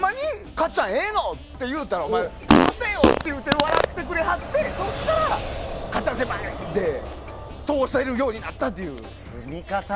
かっちゃんええの？って言うたらうるせえよ！って言って笑ってくれはって、それからはかっちゃん先輩で通せるようになったっていう。